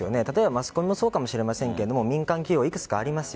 マスコミもそうかもしれないけど民間企業、いくつかあります。